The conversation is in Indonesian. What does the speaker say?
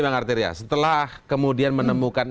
bang artir ya setelah kemudian menemukan